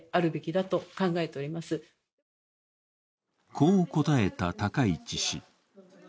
こう答えた高市氏。